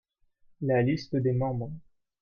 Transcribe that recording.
la liste des membres.